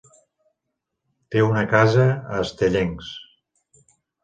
Té una casa a Estellencs.